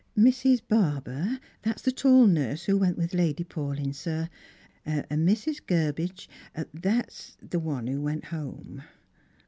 "' Mrs. Barber,' that's the tall nurse who went with Lady Paulyn, sir. ' Mrs. Gurbage,' that's the one who went home."